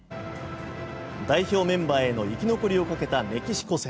代表メンバーへの生き残りをかけたメキシコ戦。